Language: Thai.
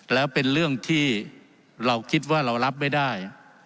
แล้วเป็นเรื่องที่เราคิดว่าเรารับไม่ได้